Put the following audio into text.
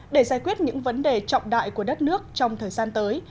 để giải quyết những vấn đề trọng đại của đất nước trong thời gian tới